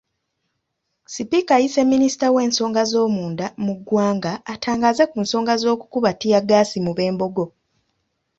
Sipiika, ayise Minisita w'ensonga z'omunda mu ggwanga atangaaze ku nsonga z'okukuba ttiyaggaasi mu b'Embogo.